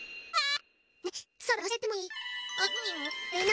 あっ。